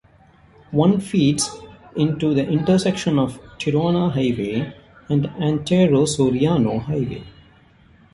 One feeds into the intersection of Tirona Highway and Antero Soriano Highway.